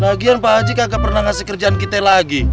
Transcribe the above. lagian pak haji kakak pernah ngasih kerjaan kita lagi